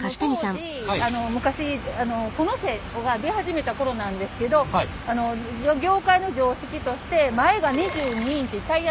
当時昔子乗せが出始めた頃なんですけど業界の常識として前が２２インチタイヤのサイズですね